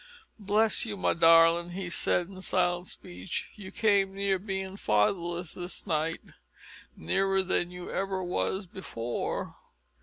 "Bless you, my darling," he said in silent speech, "you came near bein' fatherless this night nearer than you ever was before."